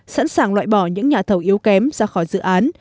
sẵn sàng loại bỏ những nhà thầu yếu kém ra khỏi dự án